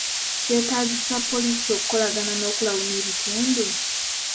Kyetaagisa poliisi okukolagana n'okulawuna ebitundu?